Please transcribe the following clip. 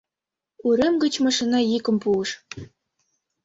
Урем гыч машина йӱкым пуыш.